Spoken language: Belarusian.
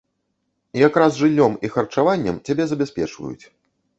Якраз жыллём і харчаваннем цябе забяспечваюць.